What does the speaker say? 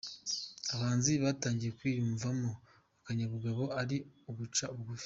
abahanzi batangiye kwiyumvamo akanyabugabo ari "Uguca Bugufi".